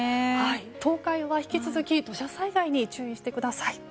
東海は引き続き土砂災害に注意してください。